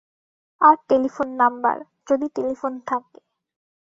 আর telephone number, যদি telephone থাকে।